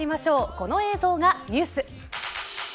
この映像がニュース。